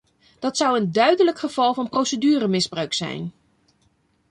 Dat zou een duidelijk geval van proceduremisbruik zijn.